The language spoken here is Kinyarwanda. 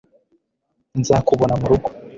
nzakubona murugo